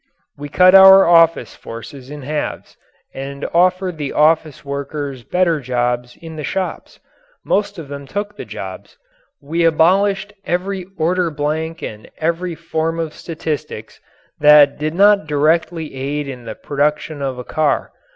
We cut our office forces in halves and offered the office workers better jobs in the shops. Most of them took the jobs. We abolished every order blank and every form of statistics that did not directly aid in the production of a car.